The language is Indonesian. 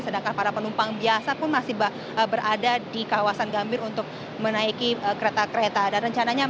sedangkan para penumpang biasa pun masih berada di kawasan gambir untuk menaiki kereta kereta